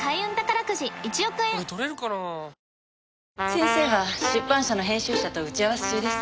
先生は出版社の編集者と打ち合わせ中です。